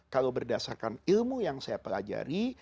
kalau berdasarkan ilmu yang saya pelajari